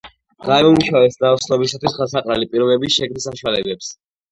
გამოიმუშავებს ნაოსნობისათვის ხელსაყრელი პირობების შექმნის საშუალებებს.